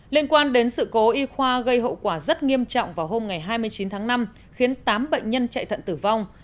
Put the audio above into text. liên quan đến sự cố y khoa gây hậu quả rất nghiêm trọng vào hôm hai mươi chín tháng năm khiến tám bệnh nhân chạy thận tử vong